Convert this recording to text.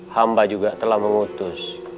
hamba juga telah mengutus